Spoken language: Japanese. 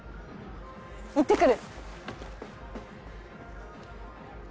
行ってくる！